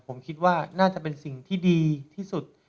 ผมคิดว่าน่าจะเป็นสิ่งที่ดีที่สุด